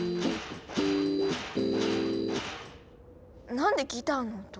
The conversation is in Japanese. なんでギターの音？